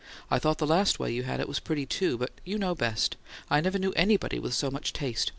"I thought the last way you had it was pretty, too. But you know best; I never knew anybody with so much taste.